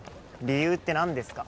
理由ってなんですか？